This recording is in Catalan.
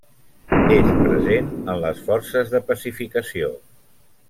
És present en les forces de pacificació.